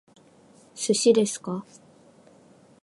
寿司ですか？